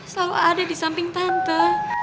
selalu ada di samping tante